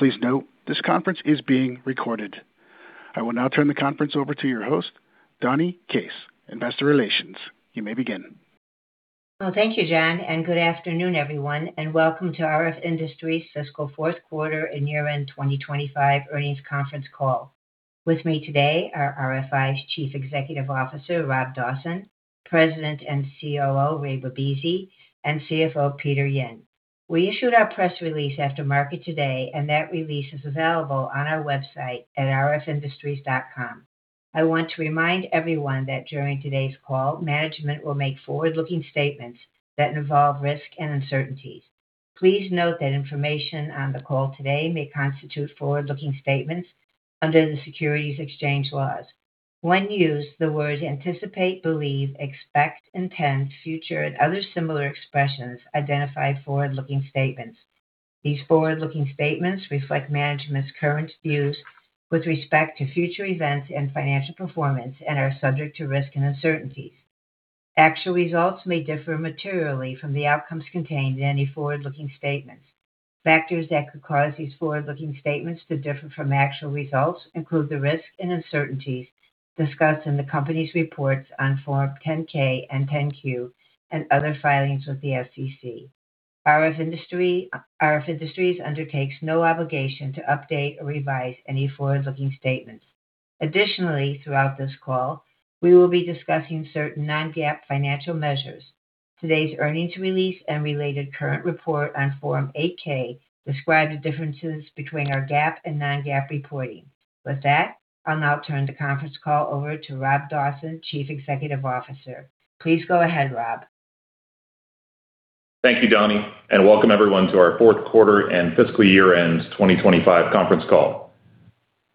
Please note, this conference is being recorded. I will now turn the conference over to your host, Donni Case, Investor Relations. You may begin. Thank you, John, and good afternoon, everyone, and welcome to RF Industries' fiscal fourth quarter and year-end 2025 earnings conference call. With me today are RFI's Chief Executive Officer, Rob Dawson, President and COO, Ray Bibisi, and CFO, Peter Yin. We issued our press release after market today, and that release is available on our website at rfindustries.com. I want to remind everyone that during today's call, management will make forward-looking statements that involve risk and uncertainties. Please note that information on the call today may constitute forward-looking statements under the Securities Exchange Laws. When used, the words anticipate, believe, expect, intend, future, and other similar expressions identify forward-looking statements. These forward-looking statements reflect management's current views with respect to future events and financial performance and are subject to risk and uncertainties. Actual results may differ materially from the outcomes contained in any forward-looking statements. Factors that could cause these forward-looking statements to differ from actual results include the risk and uncertainties discussed in the company's reports on Form 10-K and 10-Q and other filings with the SEC. RF Industries undertakes no obligation to update or revise any forward-looking statements. Additionally, throughout this call, we will be discussing certain non-GAAP financial measures. Today's earnings release and related current report on Form 8-K describe the differences between our GAAP and non-GAAP reporting. With that, I'll now turn the conference call over to Rob Dawson, Chief Executive Officer. Please go ahead, Rob. Thank you, Donnie, and welcome everyone to our fourth quarter and fiscal year-end 2025 conference call.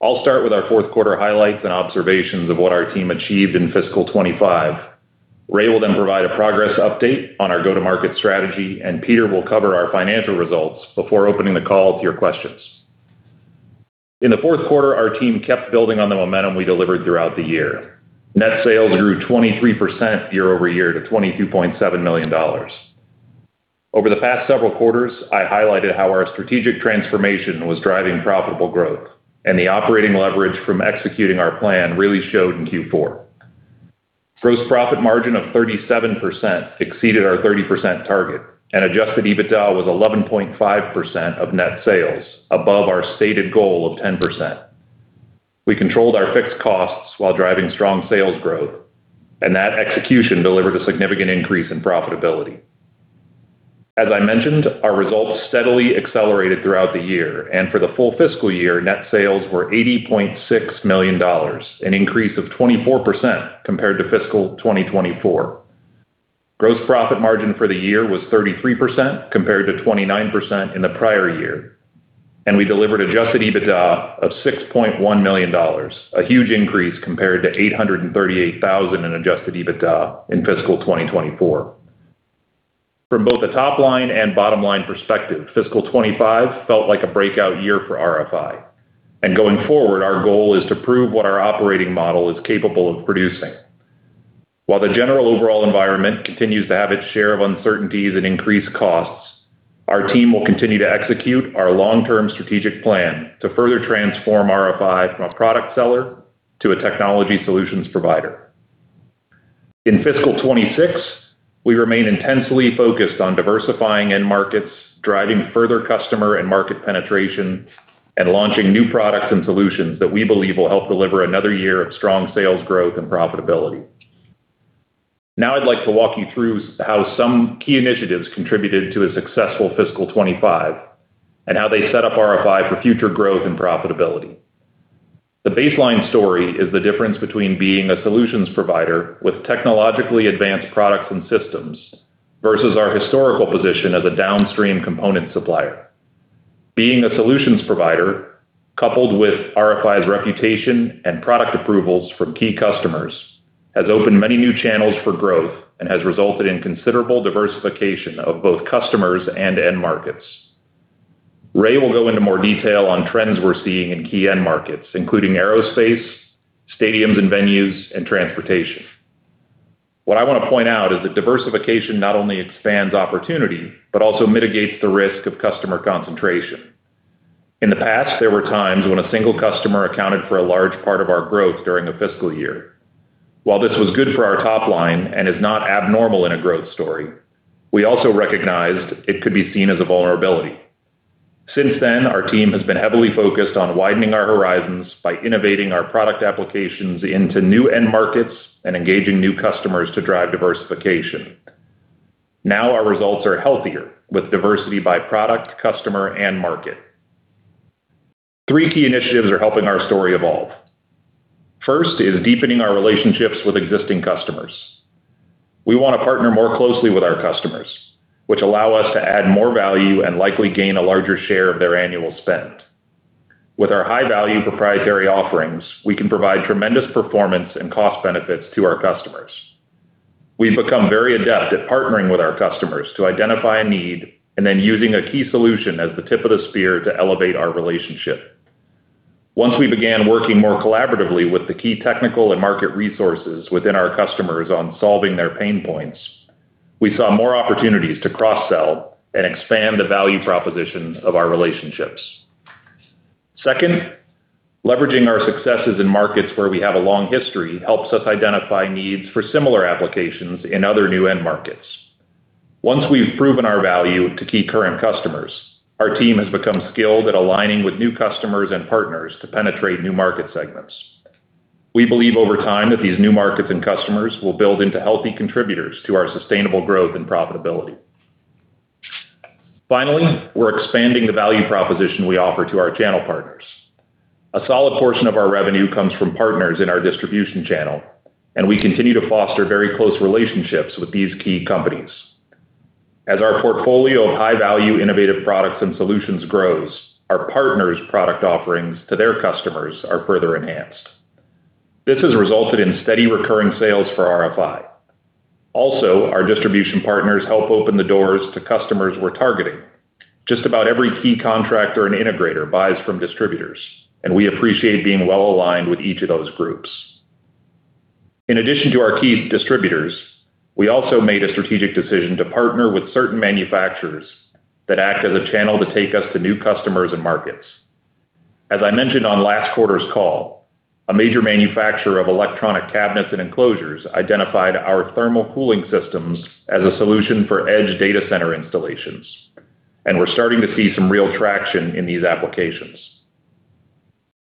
I'll start with our fourth quarter highlights and observations of what our team achieved in fiscal 25. Ray will then provide a progress update on our go-to-market strategy, and Peter will cover our financial results before opening the call to your questions. In the fourth quarter, our team kept building on the momentum we delivered throughout the year. Net sales grew 23% year-over-year to $22.7 million. Over the past several quarters, I highlighted how our strategic transformation was driving profitable growth, and the operating leverage from executing our plan really showed in Q4. Gross profit margin of 37% exceeded our 30% target, and Adjusted EBITDA was 11.5% of net sales, above our stated goal of 10%. We controlled our fixed costs while driving strong sales growth, and that execution delivered a significant increase in profitability. As I mentioned, our results steadily accelerated throughout the year, and for the full fiscal year, net sales were $80.6 million, an increase of 24% compared to fiscal 2024. Gross profit margin for the year was 33% compared to 29% in the prior year, and we delivered adjusted EBITDA of $6.1 million, a huge increase compared to $838,000 in adjusted EBITDA in fiscal 2024. From both the top-line and bottom-line perspective, fiscal 2025 felt like a breakout year for RFI, and going forward, our goal is to prove what our operating model is capable of producing. While the general overall environment continues to have its share of uncertainties and increased costs, our team will continue to execute our long-term strategic plan to further transform RFI from a product seller to a technology solutions provider. In fiscal 2026, we remain intensely focused on diversifying end markets, driving further customer and market penetration, and launching new products and solutions that we believe will help deliver another year of strong sales growth and profitability. Now I'd like to walk you through how some key initiatives contributed to a successful fiscal 2025 and how they set up RFI for future growth and profitability. The baseline story is the difference between being a solutions provider with technologically advanced products and systems versus our historical position as a downstream component supplier. Being a solutions provider, coupled with RFI's reputation and product approvals from key customers, has opened many new channels for growth and has resulted in considerable diversification of both customers and end markets. Ray will go into more detail on trends we're seeing in key end markets, including aerospace, stadiums and venues, and transportation. What I want to point out is that diversification not only expands opportunity but also mitigates the risk of customer concentration. In the past, there were times when a single customer accounted for a large part of our growth during a fiscal year. While this was good for our top line and is not abnormal in a growth story, we also recognized it could be seen as a vulnerability. Since then, our team has been heavily focused on widening our horizons by innovating our product applications into new end markets and engaging new customers to drive diversification. Now our results are healthier with diversity by product, customer, and market. Three key initiatives are helping our story evolve. First is deepening our relationships with existing customers. We want to partner more closely with our customers, which allow us to add more value and likely gain a larger share of their annual spend. With our high-value proprietary offerings, we can provide tremendous performance and cost benefits to our customers. We've become very adept at partnering with our customers to identify a need and then using a key solution as the tip of the spear to elevate our relationship. Once we began working more collaboratively with the key technical and market resources within our customers on solving their pain points, we saw more opportunities to cross-sell and expand the value proposition of our relationships. Second, leveraging our successes in markets where we have a long history helps us identify needs for similar applications in other new end markets. Once we've proven our value to key current customers, our team has become skilled at aligning with new customers and partners to penetrate new market segments. We believe over time that these new markets and customers will build into healthy contributors to our sustainable growth and profitability. Finally, we're expanding the value proposition we offer to our channel partners. A solid portion of our revenue comes from partners in our distribution channel, and we continue to foster very close relationships with these key companies. As our portfolio of high-value innovative products and solutions grows, our partners' product offerings to their customers are further enhanced. This has resulted in steady recurring sales for RFI. Also, our distribution partners help open the doors to customers we're targeting. Just about every key contractor and integrator buys from distributors, and we appreciate being well-aligned with each of those groups. In addition to our key distributors, we also made a strategic decision to partner with certain manufacturers that act as a channel to take us to new customers and markets. As I mentioned on last quarter's call, a major manufacturer of electronic cabinets and enclosures identified our thermal cooling systems as a solution for edge data center installations, and we're starting to see some real traction in these applications.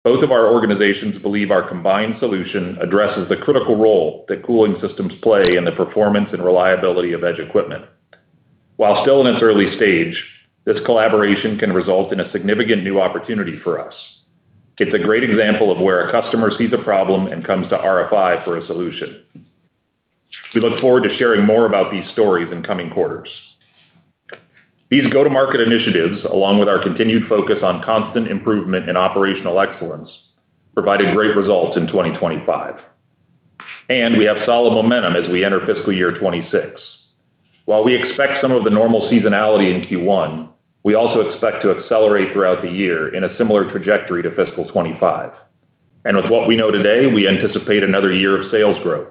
Both of our organizations believe our combined solution addresses the critical role that cooling systems play in the performance and reliability of edge equipment. While still in its early stage, this collaboration can result in a significant new opportunity for us. It's a great example of where a customer sees a problem and comes to RFI for a solution. We look forward to sharing more about these stories in coming quarters. These go-to-market initiatives, along with our continued focus on constant improvement and operational excellence, provided great results in 2025. And we have solid momentum as we enter fiscal year 2026. While we expect some of the normal seasonality in Q1, we also expect to accelerate throughout the year in a similar trajectory to fiscal 2025. And with what we know today, we anticipate another year of sales growth.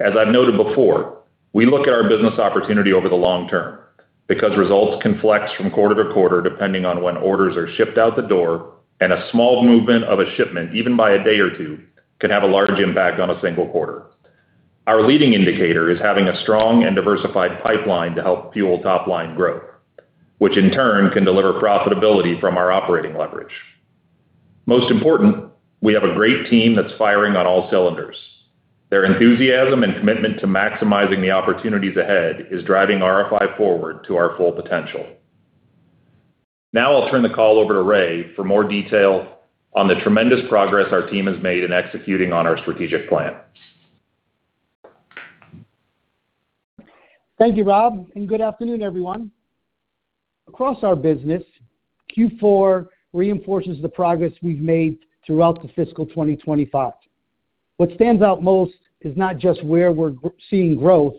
As I've noted before, we look at our business opportunity over the long term because results can flex from quarter to quarter depending on when orders are shipped out the door, and a small movement of a shipment, even by a day or two, can have a large impact on a single quarter. Our leading indicator is having a strong and diversified pipeline to help fuel top-line growth, which in turn can deliver profitability from our operating leverage. Most important, we have a great team that's firing on all cylinders. Their enthusiasm and commitment to maximizing the opportunities ahead is driving RFI forward to our full potential. Now I'll turn the call over to Ray for more detail on the tremendous progress our team has made in executing on our strategic plan. Thank you, Rob, and good afternoon, everyone. Across our business, Q4 reinforces the progress we've made throughout the fiscal 2025. What stands out most is not just where we're seeing growth,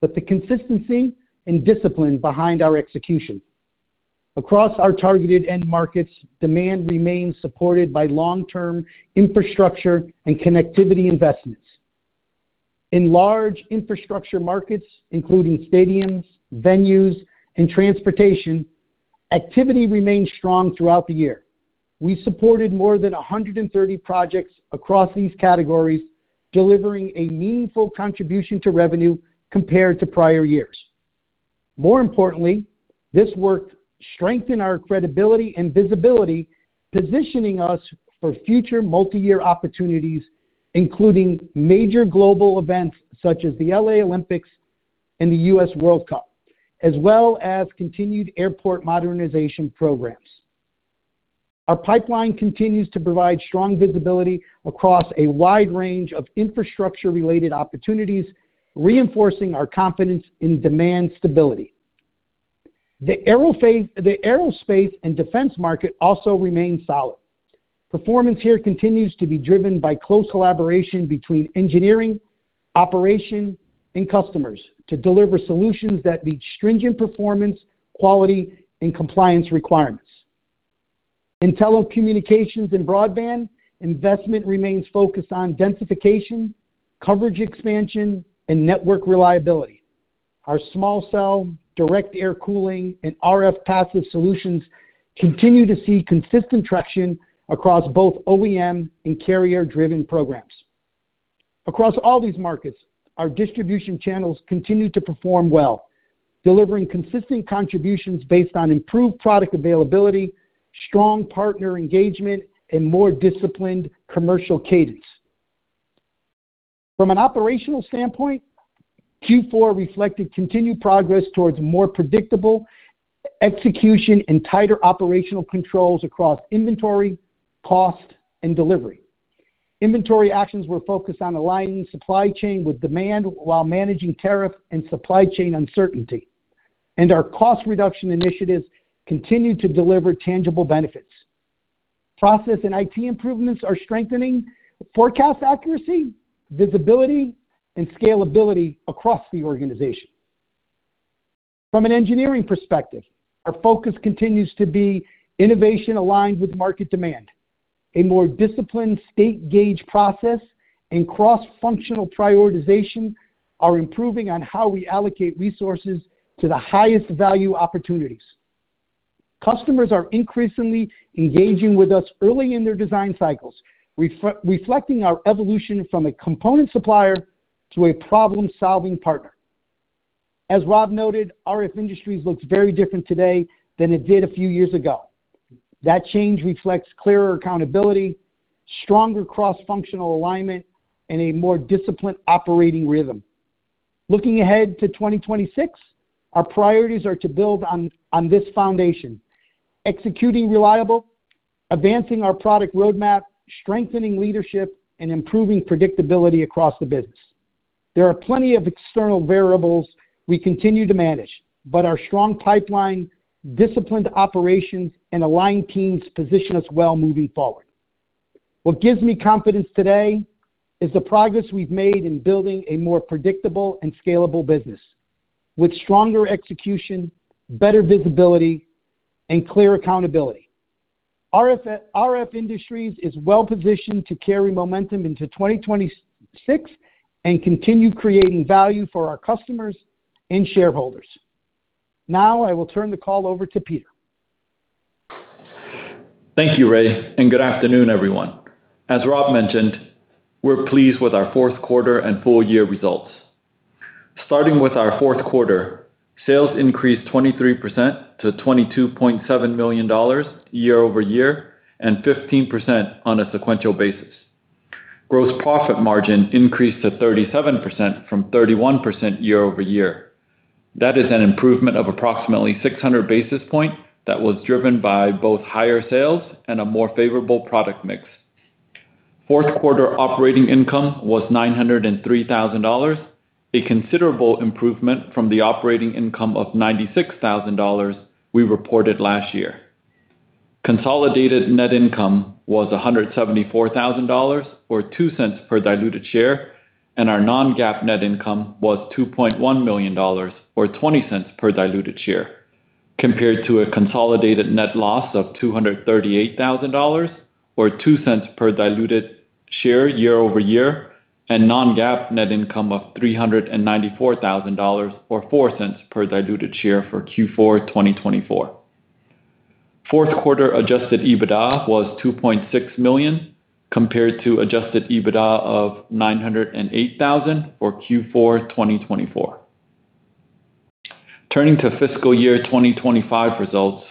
but the consistency and discipline behind our execution. Across our targeted end markets, demand remains supported by long-term infrastructure and connectivity investments. In large infrastructure markets, including stadiums, venues, and transportation, activity remains strong throughout the year. We supported more than 130 projects across these categories, delivering a meaningful contribution to revenue compared to prior years. More importantly, this work strengthened our credibility and visibility, positioning us for future multi-year opportunities, including major global events such as the LA Olympics and the U.S. World Cup, as well as continued airport modernization programs. Our pipeline continues to provide strong visibility across a wide range of infrastructure-related opportunities, reinforcing our confidence in demand stability. The aerospace and defense market also remains solid. Performance here continues to be driven by close collaboration between engineering, operation, and customers to deliver solutions that meet stringent performance, quality, and compliance requirements. In telecommunications and broadband, investment remains focused on densification, coverage expansion, and network reliability. Our small cell, direct air cooling, and RF passive solutions continue to see consistent traction across both OEM and carrier-driven programs. Across all these markets, our distribution channels continue to perform well, delivering consistent contributions based on improved product availability, strong partner engagement, and more disciplined commercial cadence. From an operational standpoint, Q4 reflected continued progress towards more predictable execution and tighter operational controls across inventory, cost, and delivery. Inventory actions were focused on aligning supply chain with demand while managing tariff and supply chain uncertainty, and our cost reduction initiatives continue to deliver tangible benefits. Process and IT improvements are strengthening forecast accuracy, visibility, and scalability across the organization. From an engineering perspective, our focus continues to be innovation aligned with market demand. A more disciplined stage-gate process and cross-functional prioritization are improving on how we allocate resources to the highest value opportunities. Customers are increasingly engaging with us early in their design cycles, reflecting our evolution from a component supplier to a problem-solving partner. As Rob noted, RF Industries looks very different today than it did a few years ago. That change reflects clearer accountability, stronger cross-functional alignment, and a more disciplined operating rhythm. Looking ahead to 2026, our priorities are to build on this foundation, executing reliably, advancing our product roadmap, strengthening leadership, and improving predictability across the business. There are plenty of external variables we continue to manage, but our strong pipeline, disciplined operations, and aligned teams position us well moving forward. What gives me confidence today is the progress we've made in building a more predictable and scalable business, with stronger execution, better visibility, and clear accountability. RF Industries is well-positioned to carry momentum into 2026 and continue creating value for our customers and shareholders. Now I will turn the call over to Peter. Thank you, Ray, and good afternoon, everyone. As Rob mentioned, we're pleased with our fourth quarter and full-year results. Starting with our fourth quarter, sales increased 23% to $22.7 million year-over-year and 15% on a sequential basis. Gross profit margin increased to 37% from 31% year-over-year. That is an improvement of approximately 600 basis points that was driven by both higher sales and a more favorable product mix. Fourth quarter operating income was $903,000, a considerable improvement from the operating income of $96,000 we reported last year. Consolidated net income was $174,000 or $0.02 per diluted share, and our non-GAAP net income was $2.1 million or $0.20 per diluted share, compared to a consolidated net loss of $238,000 or $0.02 per diluted share year-over-year and non-GAAP net income of $394,000 or $0.04 per diluted share for Q4 2024. Fourth quarter adjusted EBITDA was $2.6 million compared to adjusted EBITDA of $908,000 for Q4 2024. Turning to fiscal year 2025 results,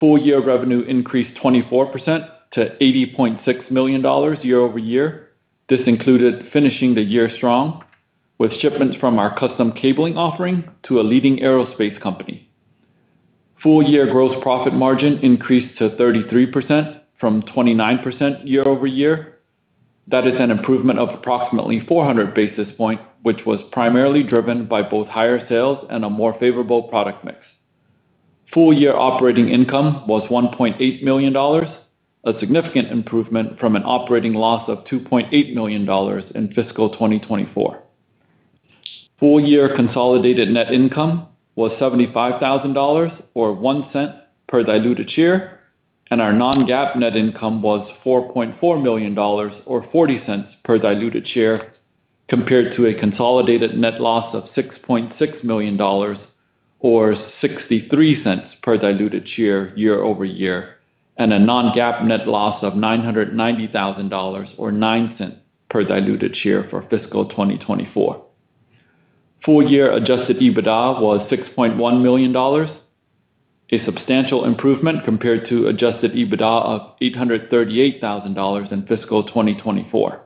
full-year revenue increased 24% to $80.6 million year-over-year. This included finishing the year strong with shipments from our custom cabling offering to a leading aerospace company. Full-year gross profit margin increased to 33% from 29% year-over-year. That is an improvement of approximately 400 basis points, which was primarily driven by both higher sales and a more favorable product mix. Full-year operating income was $1.8 million, a significant improvement from an operating loss of $2.8 million in fiscal 2024. Full-year consolidated net income was $75,000 or $0.01 per diluted share, and our non-GAAP net income was $4.4 million or $0.40 per diluted share compared to a consolidated net loss of $6.6 million or $0.63 per diluted share year-over-year and a non-GAAP net loss of $990,000 or $0.09 per diluted share for fiscal 2024. Full-year adjusted EBITDA was $6.1 million, a substantial improvement compared to adjusted EBITDA of $838,000 in fiscal 2024.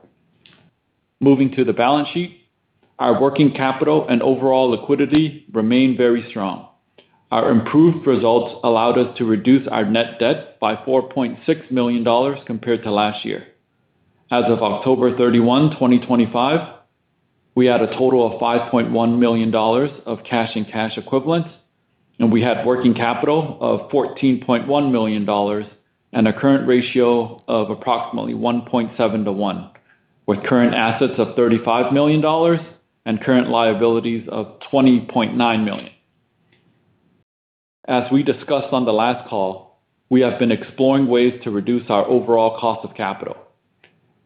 Moving to the balance sheet, our working capital and overall liquidity remain very strong. Our improved results allowed us to reduce our net debt by $4.6 million compared to last year. As of October 31, 2025, we had a total of $5.1 million of cash and cash equivalents, and we had working capital of $14.1 million and a current ratio of approximately 1.7 to 1, with current assets of $35 million and current liabilities of $20.9 million. As we discussed on the last call, we have been exploring ways to reduce our overall cost of capital.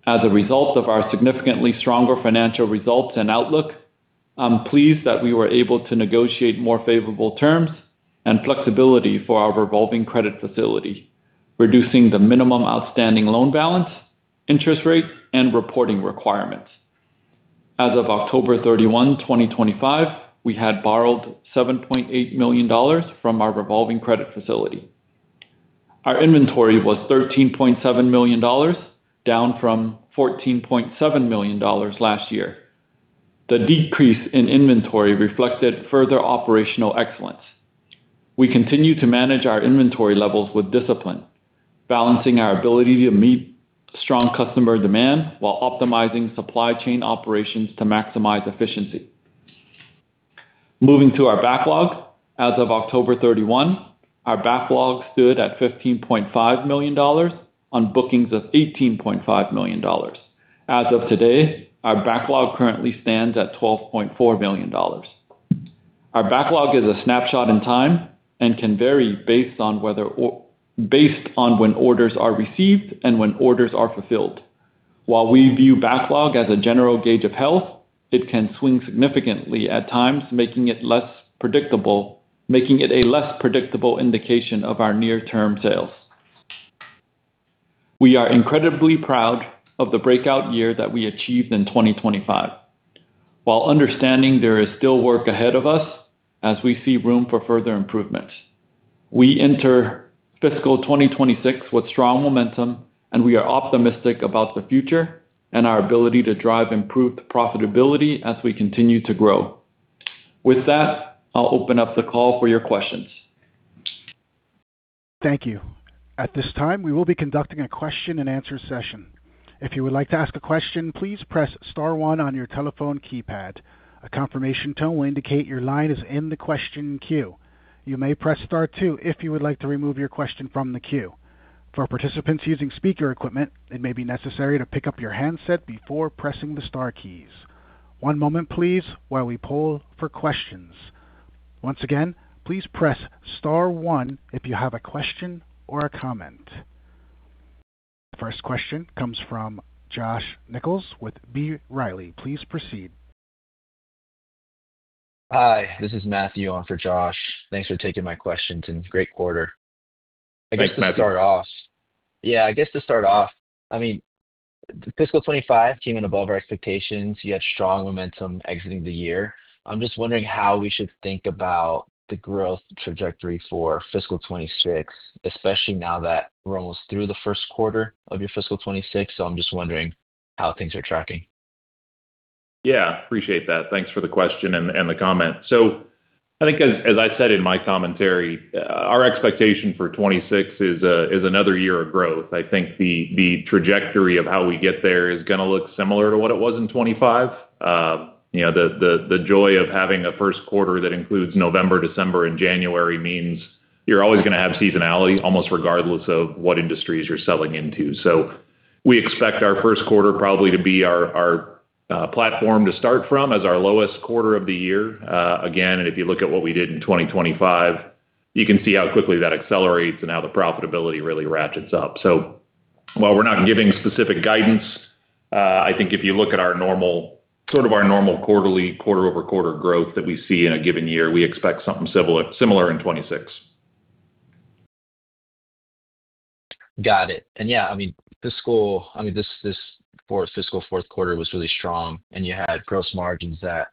As a result of our significantly stronger financial results and outlook, I'm pleased that we were able to negotiate more favorable terms and flexibility for our revolving credit facility, reducing the minimum outstanding loan balance, interest rates, and reporting requirements. As of October 31, 2025, we had borrowed $7.8 million from our revolving credit facility. Our inventory was $13.7 million, down from $14.7 million last year. The decrease in inventory reflected further operational excellence. We continue to manage our inventory levels with discipline, balancing our ability to meet strong customer demand while optimizing supply chain operations to maximize efficiency. Moving to our backlog, as of October 31, our backlog stood at $15.5 million on bookings of $18.5 million. As of today, our backlog currently stands at $12.4 million. Our backlog is a snapshot in time and can vary based on when orders are received and when orders are fulfilled. While we view backlog as a general gauge of health, it can swing significantly at times, making it a less predictable indication of our near-term sales. We are incredibly proud of the breakout year that we achieved in 2025. While understanding there is still work ahead of us, as we see room for further improvement, we enter fiscal 2026 with strong momentum, and we are optimistic about the future and our ability to drive improved profitability as we continue to grow. With that, I'll open up the call for your questions. Thank you. At this time, we will be conducting a question-and-answer session. If you would like to ask a question, please press star one on your telephone keypad. A confirmation tone will indicate your line is in the question queue. You may press star two if you would like to remove your question from the queue. For participants using speaker equipment, it may be necessary to pick up your handset before pressing the star keys. One moment, please, while we poll for questions. Once again, please press star one if you have a question or a comment. First question comes from Josh Nichols with B. Riley. Please proceed. Hi, this is Matthew on for Josh. Thanks for taking my question. It's a great quarter. Thanks, Matthew. Yeah, I guess to start off, I mean, fiscal 2025 came in above our expectations. You had strong momentum exiting the year. I'm just wondering how we should think about the growth trajectory for fiscal 2026, especially now that we're almost through the first quarter of your fiscal 2026. So I'm just wondering how things are tracking? Yeah, appreciate that. Thanks for the question and the comment. So I think, as I said in my commentary, our expectation for 2026 is another year of growth. I think the trajectory of how we get there is going to look similar to what it was in 2025. The joy of having a first quarter that includes November, December, and January means you're always going to have seasonality almost regardless of what industries you're selling into. So we expect our first quarter probably to be our platform to start from as our lowest quarter of the year. Again, if you look at what we did in 2025, you can see how quickly that accelerates and how the profitability really ratchets up. So while we're not giving specific guidance, I think if you look at our normal quarter-over-quarter growth that we see in a given year, we expect something similar in 2026. Got it. And yeah, I mean, this fourth fiscal quarter was really strong, and you had gross margins that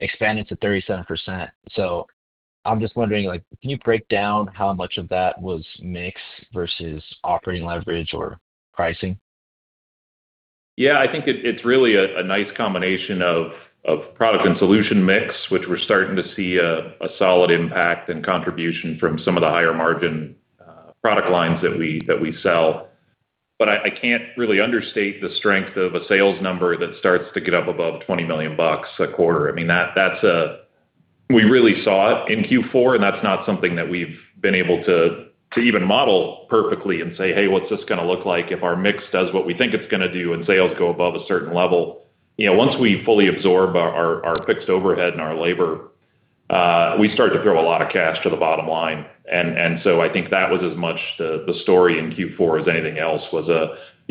expanded to 37%. So I'm just wondering, can you break down how much of that was mixed versus operating leverage or pricing? Yeah, I think it's really a nice combination of product and solution mix, which we're starting to see a solid impact and contribution from some of the higher margin product lines that we sell. But I can't really understate the strength of a sales number that starts to get up above $20 million a quarter. I mean, we really saw it in Q4, and that's not something that we've been able to even model perfectly and say, "Hey, what's this going to look like if our mix does what we think it's going to do and sales go above a certain level?" Once we fully absorb our fixed overhead and our labor, we start to throw a lot of cash to the bottom line. And so I think that was as much the story in Q4 as anything else was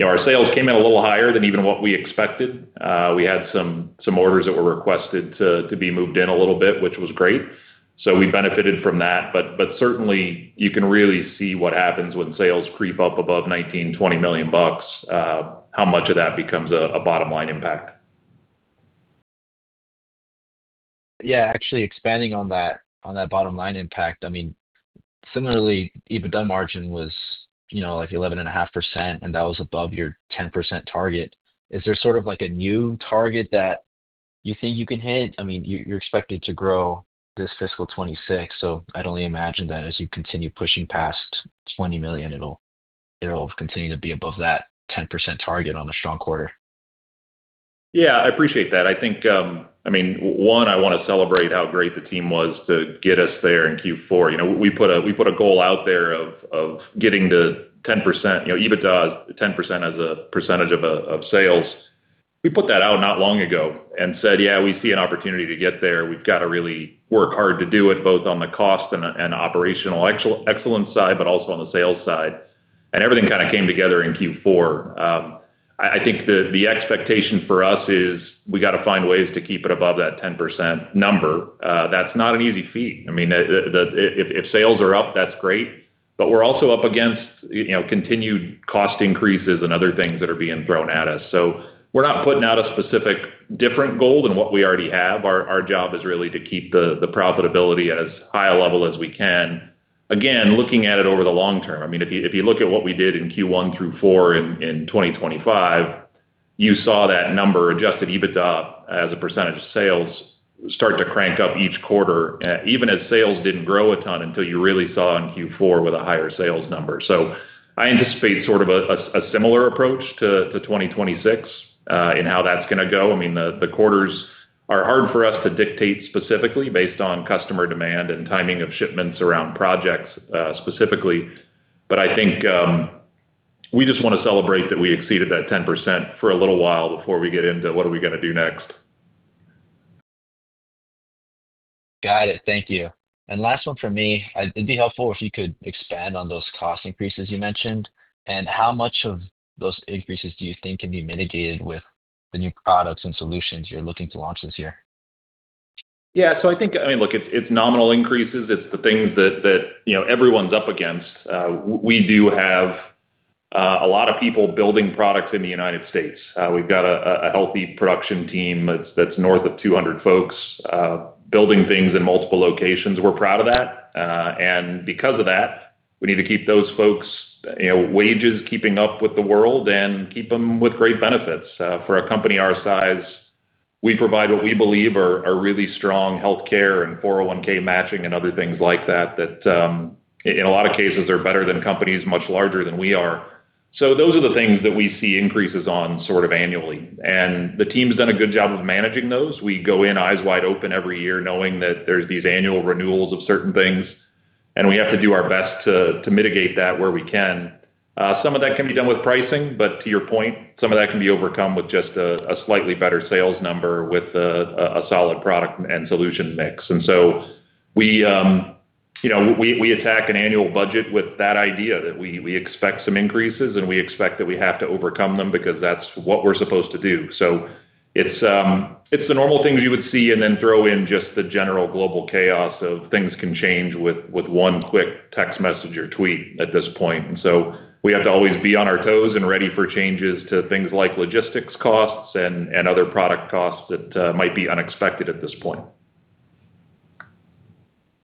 our sales came in a little higher than even what we expected. We had some orders that were requested to be moved in a little bit, which was great. So we benefited from that. But certainly, you can really see what happens when sales creep up above $19-$20 million, how much of that becomes a bottom line impact. Yeah, actually, expanding on that bottom line impact, I mean, similarly, EBITDA margin was like 11.5%, and that was above your 10% target. Is there sort of like a new target that you think you can hit? I mean, you're expected to grow this fiscal 2026, so I'd only imagine that as you continue pushing past $20 million, it'll continue to be above that 10% target on a strong quarter. Yeah, I appreciate that. I think, I mean, one, I want to celebrate how great the team was to get us there in Q4. We put a goal out there of getting to 10%. EBITDA is 10% as a percentage of sales. We put that out not long ago and said, "Yeah, we see an opportunity to get there. We've got to really work hard to do it both on the cost and operational excellence side, but also on the sales side." And everything kind of came together in Q4. I think the expectation for us is we got to find ways to keep it above that 10% number. That's not an easy feat. I mean, if sales are up, that's great. But we're also up against continued cost increases and other things that are being thrown at us. So we're not putting out a specific different goal than what we already have. Our job is really to keep the profitability as high a level as we can. Again, looking at it over the long term, I mean, if you look at what we did in Q1 through Q4 in 2025, you saw that number, Adjusted EBITDA as a percentage of sales, start to crank up each quarter, even as sales didn't grow a ton until you really saw in Q4 with a higher sales number. So I anticipate sort of a similar approach to 2026 in how that's going to go. I mean, the quarters are hard for us to dictate specifically based on customer demand and timing of shipments around projects specifically. But I think we just want to celebrate that we exceeded that 10% for a little while before we get into what are we going to do next. Got it. Thank you. And last one for me, it'd be helpful if you could expand on those cost increases you mentioned. And how much of those increases do you think can be mitigated with the new products and solutions you're looking to launch this year? Yeah, so I think, I mean, look, it's nominal increases. It's the things that everyone's up against. We do have a lot of people building products in the United States. We've got a healthy production team that's north of 200 folks building things in multiple locations. We're proud of that. And because of that, we need to keep those folks' wages keeping up with the world and keep them with great benefits. For a company our size, we provide what we believe are really strong healthcare and 401(k) matching and other things like that that in a lot of cases are better than companies much larger than we are. So those are the things that we see increases on sort of annually. And the team's done a good job of managing those. We go in eyes wide open every year knowing that there's these annual renewals of certain things, and we have to do our best to mitigate that where we can. Some of that can be done with pricing, but to your point, some of that can be overcome with just a slightly better sales number with a solid product and solution mix, and so we attack an annual budget with that idea that we expect some increases, and we expect that we have to overcome them because that's what we're supposed to do, so it's the normal things you would see, and then throw in just the general global chaos of things can change with one quick text message or tweet at this point. And so we have to always be on our toes and ready for changes to things like logistics costs and other product costs that might be unexpected at this point.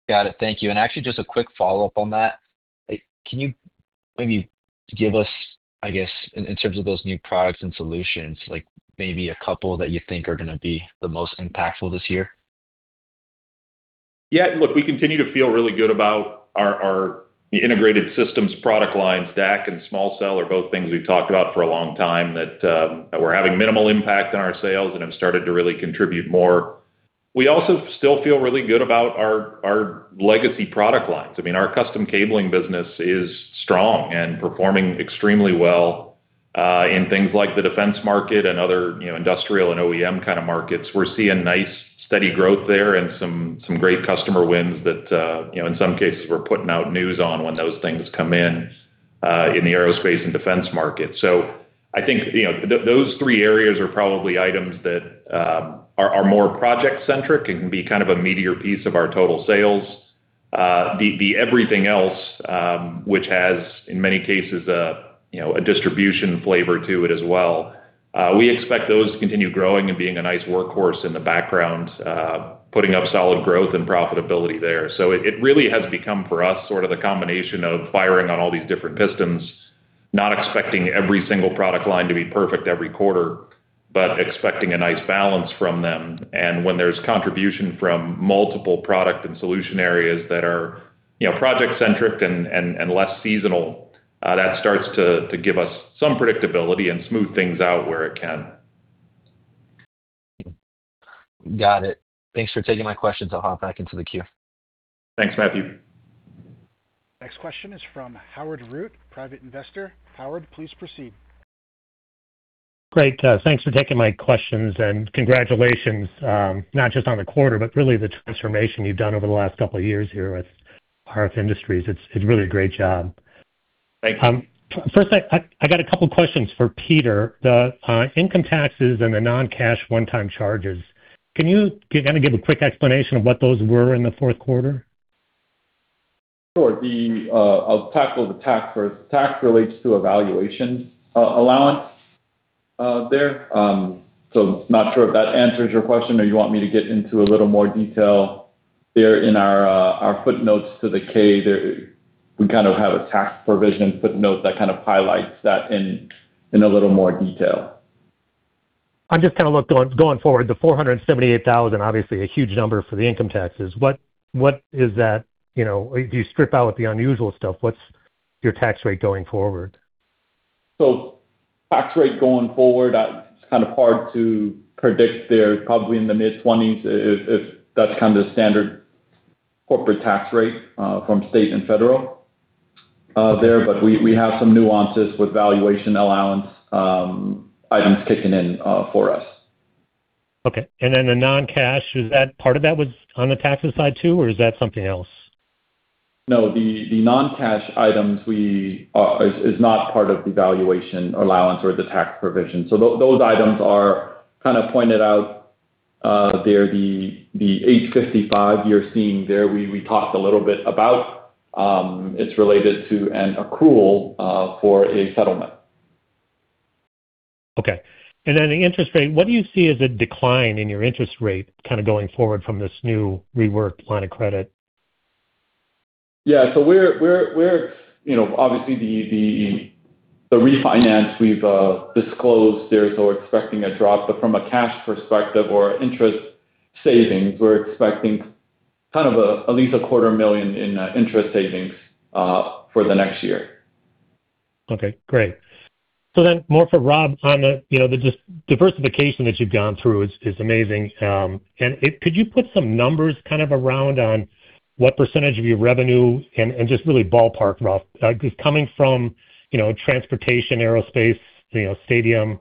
Got it. Thank you. And actually, just a quick follow-up on that. Can you maybe give us, I guess, in terms of those new products and solutions, maybe a couple that you think are going to be the most impactful this year? Yeah, look, we continue to feel really good about our integrated systems product lines. DAC and small cell are both things we've talked about for a long time that we're having minimal impact on our sales and have started to really contribute more. We also still feel really good about our legacy product lines. I mean, our custom cabling business is strong and performing extremely well in things like the defense market and other industrial and OEM kind of markets. We're seeing nice steady growth there and some great customer wins that in some cases we're putting out news on when those things come in in the aerospace and defense market. So I think those three areas are probably items that are more project-centric and can be kind of a meatier piece of our total sales. Then everything else, which has in many cases a distribution flavor to it as well, we expect those to continue growing and being a nice workhorse in the background, putting up solid growth and profitability there. So it really has become for us sort of a combination of firing on all these different pistons, not expecting every single product line to be perfect every quarter, but expecting a nice balance from them. And when there's contribution from multiple product and solution areas that are project-centric and less seasonal, that starts to give us some predictability and smooth things out where it can. Got it. Thanks for taking my questions. I'll hop back into the queue. Thanks, Matthew. Next question is from Howard Root, private investor. Howard, please proceed. Great. Thanks for taking my questions. And congratulations, not just on the quarter, but really the transformation you've done over the last couple of years here with RF Industries. It's really a great job. Thank you. First, I got a couple of questions for Peter. The income taxes and the non-cash one-time charges, can you kind of give a quick explanation of what those were in the fourth quarter? Sure. I'll tackle the tax. Tax relates to valuation allowance there. So not sure if that answers your question or you want me to get into a little more detail. There in our footnotes to the K, we kind of have a tax provision footnote that kind of highlights that in a little more detail. I'm just kind of going forward, the $478,000, obviously a huge number for the income taxes. What is that? Do you strip out the unusual stuff? What's your tax rate going forward? So tax rate going forward, it's kind of hard to predict. They're probably in the mid-20s if that's kind of the standard corporate tax rate from state and federal there. But we have some nuances with valuation allowance items kicking in for us. Okay. And then the non-cash, is that part of that was on the tax side too, or is that something else? No, the non-cash items is not part of the valuation allowance or the tax provision. So those items are kind of pointed out there. The $855 you're seeing there, we talked a little bit about. It's related to an accrual for a settlement. Okay. And then the interest rate, what do you see as a decline in your interest rate kind of going forward from this new reworked line of credit? Yeah, so we're obviously the refinance we've disclosed there, so we're expecting a drop, but from a cash perspective or interest savings, we're expecting kind of at least $250,000 in interest savings for the next year. Okay. Great. So then more for Rob on the just diversification that you've gone through is amazing. And could you put some numbers kind of around on what percentage of your revenue and just really ballpark, Rob, is coming from transportation, aerospace, stadium,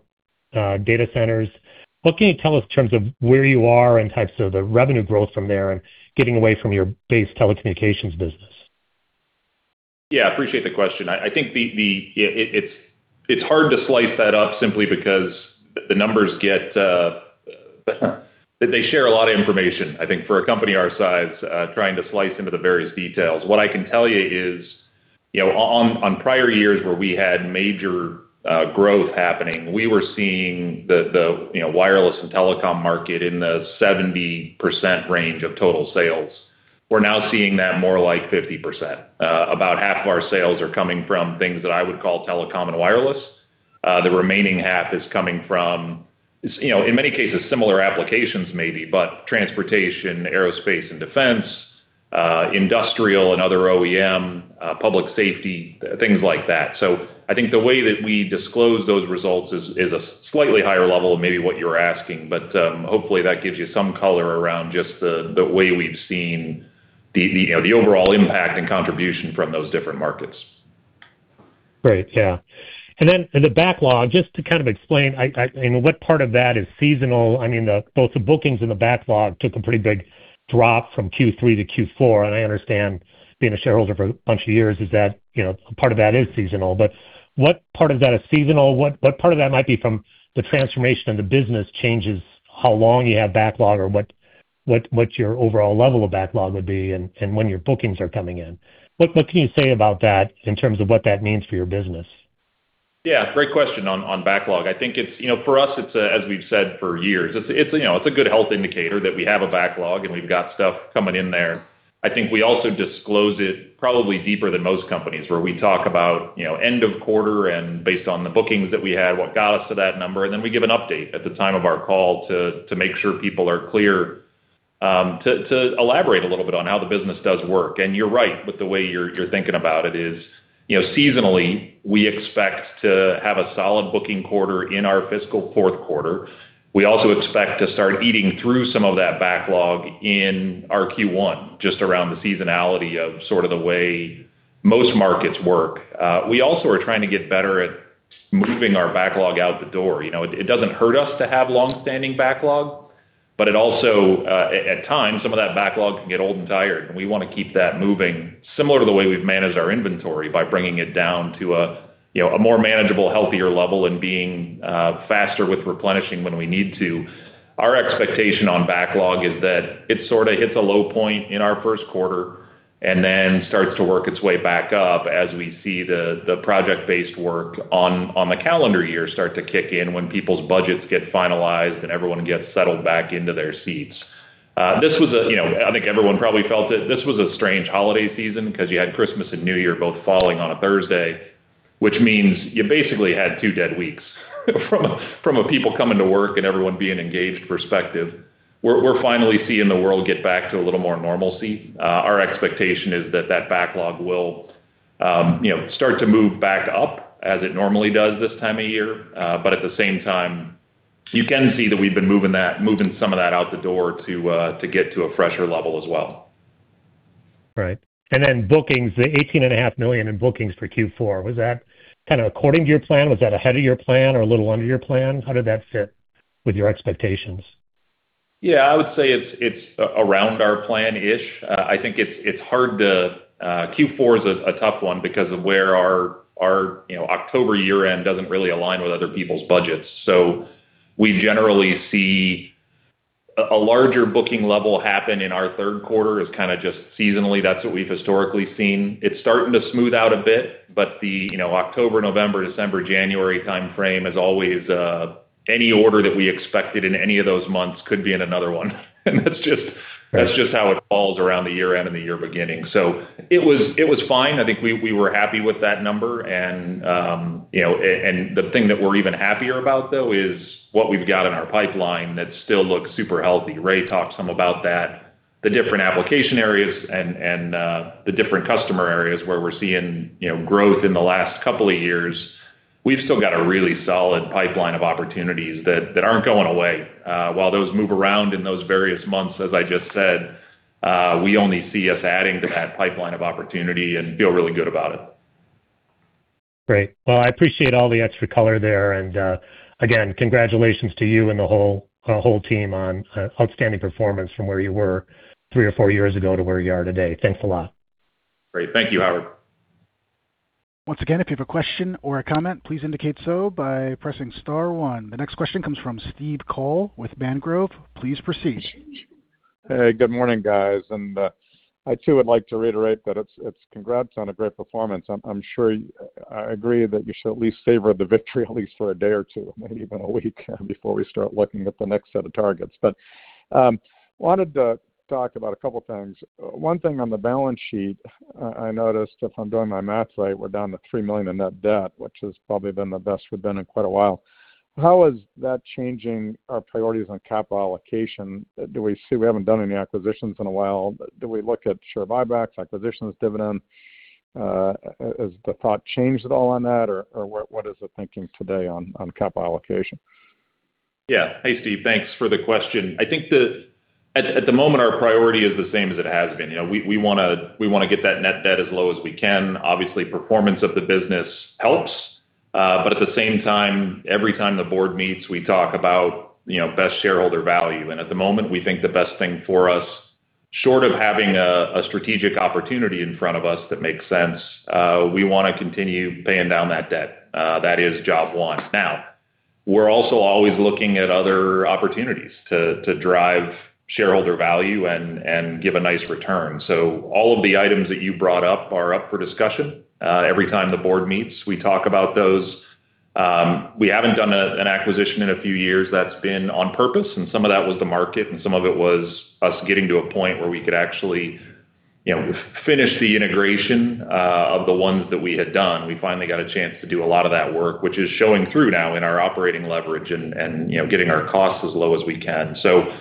data centers? What can you tell us in terms of where you are and types of the revenue growth from there and getting away from your base telecommunications business? Yeah, I appreciate the question. I think it's hard to slice that up simply because the numbers get that they share a lot of information, I think, for a company our size trying to slice into the various details. What I can tell you is on prior years where we had major growth happening, we were seeing the wireless and telecom market in the 70% range of total sales. We're now seeing that more like 50%. About half of our sales are coming from things that I would call telecom and wireless. The remaining half is coming from, in many cases, similar applications maybe, but transportation, aerospace and defense, industrial and other OEM, public safety, things like that. So I think the way that we disclose those results is a slightly higher level than maybe what you're asking, but hopefully that gives you some color around just the way we've seen the overall impact and contribution from those different markets. Great. Yeah. And then the backlog, just to kind of explain, I mean, what part of that is seasonal? I mean, both the bookings and the backlog took a pretty big drop from Q3 to Q4. And I understand being a shareholder for a bunch of years is that part of that is seasonal. But what part of that is seasonal? What part of that might be from the transformation of the business changes how long you have backlog or what your overall level of backlog would be and when your bookings are coming in? What can you say about that in terms of what that means for your business? Yeah. Great question on backlog. I think for us, it's, as we've said for years, it's a good health indicator that we have a backlog and we've got stuff coming in there. I think we also disclose it probably deeper than most companies where we talk about end of quarter and based on the bookings that we had, what got us to that number, and then we give an update at the time of our call to make sure people are clear, to elaborate a little bit on how the business does work, and you're right with the way you're thinking about it is seasonally, we expect to have a solid booking quarter in our fiscal fourth quarter. We also expect to start eating through some of that backlog in our Q1 just around the seasonality of sort of the way most markets work. We also are trying to get better at moving our backlog out the door. It doesn't hurt us to have long-standing backlog, but it also, at times, some of that backlog can get old and tired. And we want to keep that moving similar to the way we've managed our inventory by bringing it down to a more manageable, healthier level and being faster with replenishing when we need to. Our expectation on backlog is that it sort of hits a low point in our first quarter and then starts to work its way back up as we see the project-based work on the calendar year start to kick in when people's budgets get finalized and everyone gets settled back into their seats. This was a, I think everyone probably felt it. This was a strange holiday season because you had Christmas and New Year both falling on a Thursday, which means you basically had two dead weeks from the perspective of people coming to work and everyone being engaged. We're finally seeing the world get back to a little more normalcy. Our expectation is that that backlog will start to move back up as it normally does this time of year. But at the same time, you can see that we've been moving some of that out the door to get to a fresher level as well. Right. And then bookings, the $18.5 million in bookings for Q4, was that kind of according to your plan? Was that ahead of your plan or a little under your plan? How did that fit with your expectations? Yeah, I would say it's around our plan-ish. I think it's hard, too. Q4 is a tough one because of where our October year-end doesn't really align with other people's budgets, so we generally see a larger booking level happen in our third quarter as kind of just seasonally. That's what we've historically seen. It's starting to smooth out a bit, but the October, November, December, January time frame is always any order that we expected in any of those months could be in another one, and that's just how it falls around the year-end and the year beginning, so it was fine. I think we were happy with that number, and the thing that we're even happier about, though, is what we've got in our pipeline that still looks super healthy. Ray talked some about that, the different application areas and the different customer areas where we're seeing growth in the last couple of years. We've still got a really solid pipeline of opportunities that aren't going away. While those move around in those various months, as I just said, we only see us adding to that pipeline of opportunity and feel really good about it. Great. Well, I appreciate all the extra color there. And again, congratulations to you and the whole team on outstanding performance from where you were three or four years ago to where you are today. Thanks a lot. Great. Thank you, Howard. Once again, if you have a question or a comment, please indicate so by pressing star one. The next question comes from Steve Kohl with Mangrove. Please proceed. Hey, good morning, guys, and I too would like to reiterate that it's congrats on a great performance. I'm sure I agree that you should at least savor the victory at least for a day or two, maybe even a week before we start looking at the next set of targets. But wanted to talk about a couple of things. One thing on the balance sheet, I noticed if I'm doing my math right, we're down to $3 million in net debt, which has probably been the best we've been in quite a while. How is that changing our priorities on capital allocation? Do we see we haven't done any acquisitions in a while? Do we look at share buybacks, acquisitions, dividend? Has the thought changed at all on that, or what is the thinking today on capital allocation? Yeah. Hey, Steve, thanks for the question. I think at the moment, our priority is the same as it has been. We want to get that net debt as low as we can. Obviously, performance of the business helps. But at the same time, every time the board meets, we talk about best shareholder value. And at the moment, we think the best thing for us, short of having a strategic opportunity in front of us that makes sense, we want to continue paying down that debt. That is job one. Now, we're also always looking at other opportunities to drive shareholder value and give a nice return. So all of the items that you brought up are up for discussion. Every time the board meets, we talk about those. We haven't done an acquisition in a few years that's been on purpose. And some of that was the market, and some of it was us getting to a point where we could actually finish the integration of the ones that we had done. We finally got a chance to do a lot of that work, which is showing through now in our operating leverage and getting our costs as low as we can. So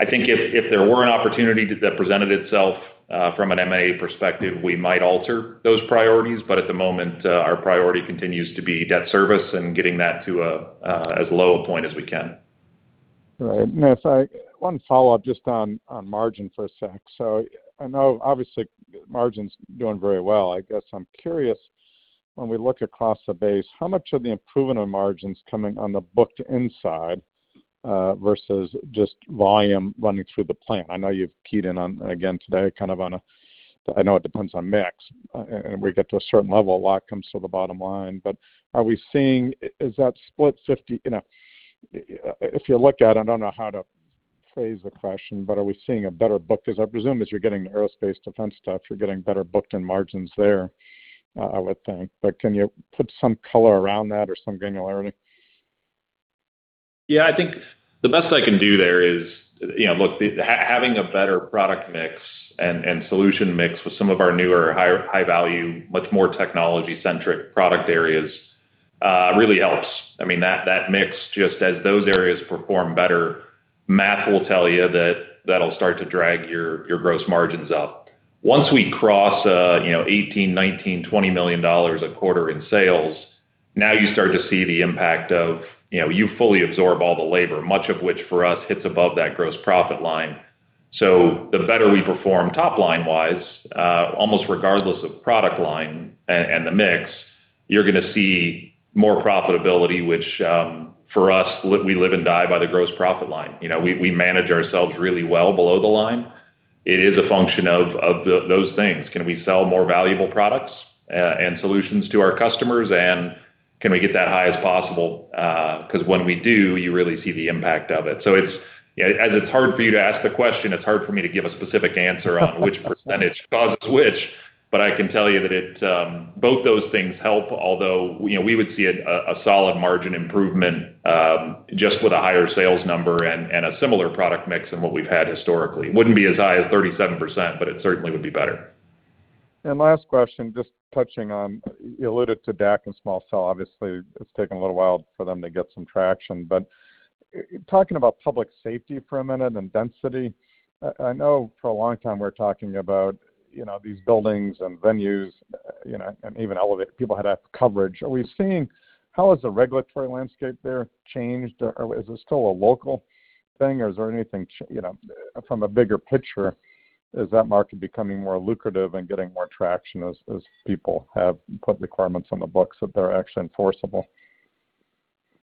I think if there were an opportunity that presented itself from an M&A perspective, we might alter those priorities. But at the moment, our priority continues to be debt service and getting that to as low a point as we can. Right. One follow-up just on margin for a sec. So I know obviously margin's doing very well. I guess I'm curious. When we look across the base, how much of the improvement on margins coming on the bookings side versus just volume running through the plan? I know you've keyed in on again today kind of on a. I know it depends on mix. And we get to a certain level, a lot comes to the bottom line. But are we seeing, is that split 50? If you look at it, I don't know how to phrase the question, but are we seeing better bookings? Because I presume as you're getting aerospace defense stuff, you're getting better bookings and margins there, I would think. But can you put some color around that or some granularity? Yeah, I think the best I can do there is, look, having a better product mix and solution mix with some of our newer high-value, much more technology-centric product areas really helps. I mean, that mix, just as those areas perform better, math will tell you that that'll start to drag your gross margins up. Once we cross $18 million, $19 million, $20 million a quarter in sales, now you start to see the impact of you fully absorb all the labor, much of which for us hits above that gross profit line. So the better we perform top line-wise, almost regardless of product line and the mix, you're going to see more profitability, which for us, we live and die by the gross profit line. We manage ourselves really well below the line. It is a function of those things. Can we sell more valuable products and solutions to our customers, and can we get that high as possible? Because when we do, you really see the impact of it. So as it's hard for you to ask the question, it's hard for me to give a specific answer on which percentage causes which. But I can tell you that both those things help, although we would see a solid margin improvement just with a higher sales number and a similar product mix than what we've had historically. It wouldn't be as high as 37%, but it certainly would be better. And last question, just touching on, you alluded to DAC and small cell. Obviously, it's taken a little while for them to get some traction. But talking about public safety for a minute and density, I know for a long time we're talking about these buildings and venues and even elevated people had to have coverage. Are we seeing how has the regulatory landscape there changed? Is it still a local thing, or is there anything from a bigger picture? Is that market becoming more lucrative and getting more traction as people have put requirements on the books that they're actually enforceable?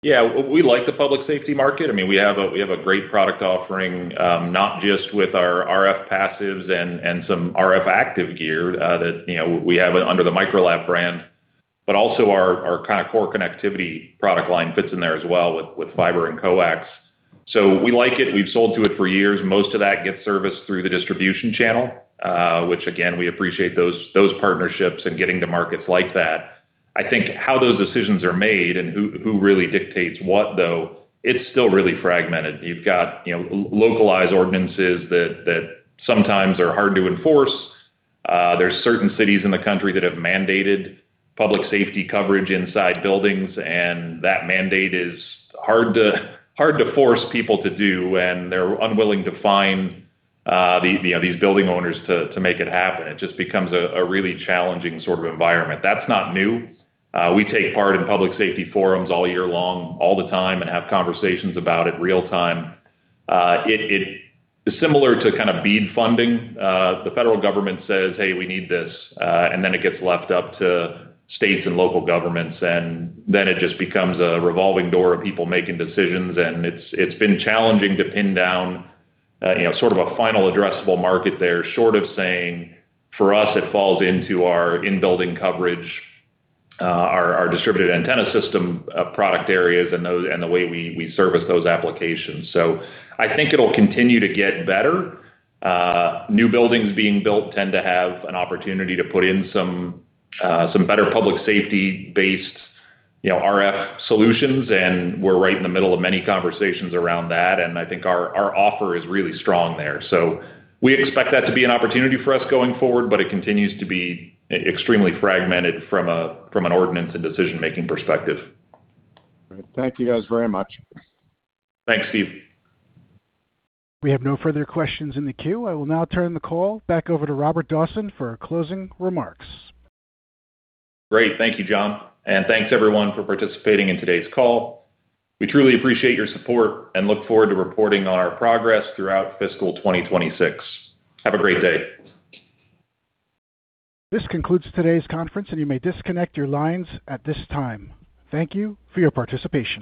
Yeah. We like the public safety market. I mean, we have a great product offering, not just with our RF passives and some RF active gear that we have under the Microlab brand, but also our kind of core connectivity product line fits in there as well with fiber and coax. So we like it. We've sold to it for years. Most of that gets serviced through the distribution channel, which again, we appreciate those partnerships and getting to markets like that. I think how those decisions are made and who really dictates what, though, it's still really fragmented. You've got localized ordinances that sometimes are hard to enforce. There's certain cities in the country that have mandated public safety coverage inside buildings, and that mandate is hard to force people to do. And they're unwilling to find these building owners to make it happen. It just becomes a really challenging sort of environment. That's not new. We take part in public safety forums all year long, all the time, and have conversations about it real time. It's similar to kind of BEAD funding. The federal government says, "Hey, we need this," and then it gets left up to states and local governments. And then it just becomes a revolving door of people making decisions. And it's been challenging to pin down sort of a final addressable market there, short of saying for us, it falls into our in-building coverage, our distributed antenna system product areas, and the way we service those applications. So I think it'll continue to get better. New buildings being built tend to have an opportunity to put in some better public safety-based RF solutions. And we're right in the middle of many conversations around that. And I think our offer is really strong there. So we expect that to be an opportunity for us going forward, but it continues to be extremely fragmented from an ordinance and decision-making perspective. Great. Thank you guys very much. Thanks, Steve. We have no further questions in the queue. I will now turn the call back over to Robert Dawson for closing remarks. Great. Thank you, John. And thanks everyone for participating in today's call. We truly appreciate your support and look forward to reporting on our progress throughout fiscal 2026. Have a great day. This concludes today's conference, and you may disconnect your lines at this time. Thank you for your participation.